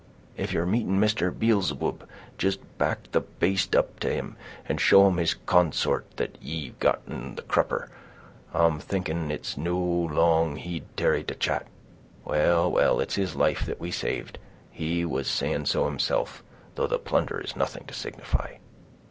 "If ye're meeting Mister Beelzeboob, jist back the baste up to him, and show him his consort that ye've got on the crupper. I'm thinking it's no long he'd tarry to chat. Well, well, it's his life that we saved, he was saying so himself—though the plunder is nothing to signify."